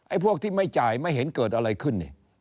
พวกที่ไม่จ่ายไม่เห็นเกิดอะไรขึ้นนี่